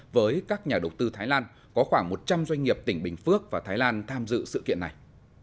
với các nhà đầu tư thái lan có khoảng một trăm linh doanh nghiệp tỉnh bình phước và thái lan tham dự sự kiện này